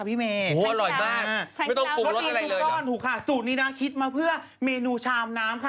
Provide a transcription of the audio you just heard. รสดีซุปก้อนถูกค่ะสูตรนี้คิดมาเพื่อเมนูชามน้ำ